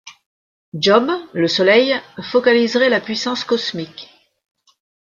Djob, le Soleil, focaliserait la puissance cosmique.